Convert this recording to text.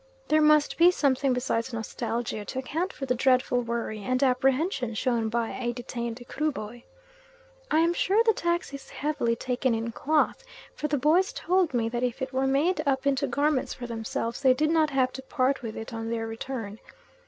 There must be something besides nostalgia to account for the dreadful worry and apprehension shown by a detained Kruboy. I am sure the tax is heavily taken in cloth, for the boys told me that if it were made up into garments for themselves they did not have to part with it on their return.